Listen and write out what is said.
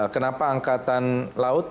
kenapa angkatan laut